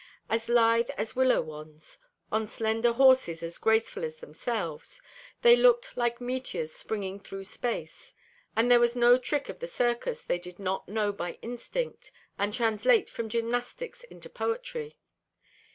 As lithe as willow wands, on slender horses as graceful as themselves, they looked like meteors springing through space, and there was no trick of the circus they did not know by instinct, and translate from gymnastics into poetry.